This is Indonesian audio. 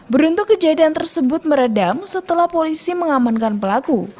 beruntung kejadian tersebut meredam setelah polisi mengamankan pelaku